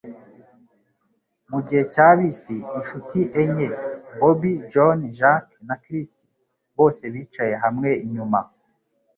Mugihe cya bisi, inshuti enye - Bobby, John, Jake na Chris - bose bicaye hamwe inyuma.